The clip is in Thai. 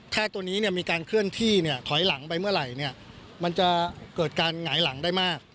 ถ้าตัวนี้มีการเคลื่อนที่เนี่ยถอยหลังไปเมื่อไหร่มันจะเกิดการหงายหลังได้มาก